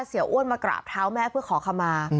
อ้วนมากราบเท้าแม่เพื่อขอคำมา